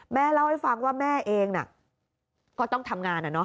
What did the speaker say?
แม่เล่าให้ฟังว่าแม่เองก็ต้องทำงาน